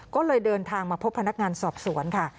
ก็เลยเดินทางมาพบพนักงานสอบสวนค่ะ